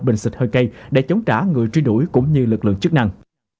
bình xịt hơi cây để chống trả người truy đuổi cũng như lực lượng chức năng